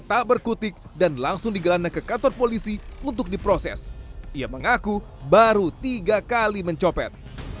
tak berkutik dan langsung digelandang ke kantor polisi untuk diproses ia mengaku baru tiga kali mencopet